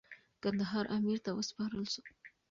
کندهار امیر ته وسپارل سو.